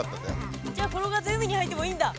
じゃあ転がって海に入ってもいいんだ？